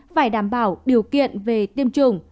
phải đảm bảo điều kiện về tiêm chủng